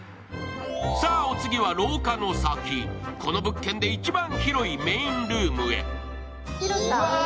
さあ、お次は廊下の先この物件で一番広いメインルームへ。